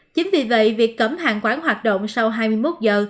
chính vì vậy việc cấm hàng quán hoạt động sau hai mươi một giờ